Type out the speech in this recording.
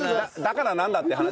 だからなんだって話。